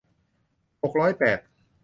หกร้อยแปด